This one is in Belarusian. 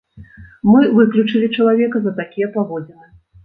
Мы выключылі чалавека за такія паводзіны.